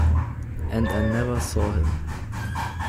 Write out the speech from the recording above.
And I never saw him!